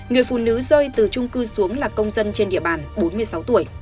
người phụ nữ rơi từ trung cư xuống là công dân trên địa bàn bốn mươi sáu tuổi